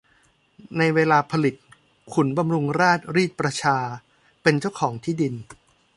ในเวลาผลิตขุนบำรุงราชรีดประชาเป็นเจ้าของที่ดิน